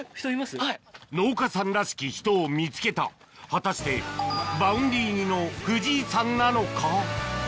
農家さんらしき人を見つけた果たしてＶａｕｎｄｙ似の藤井さんなのか？